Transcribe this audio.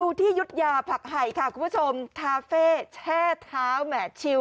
ที่ยุธยาผักไห่ค่ะคุณผู้ชมทาเฟ่แช่เท้าแหม่ชิว